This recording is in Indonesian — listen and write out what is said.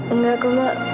enggak kok ma